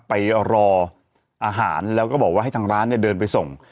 ไปรออาหารแล้วก็บอกว่าให้ทางร้านเนี่ยเดินไปส่ง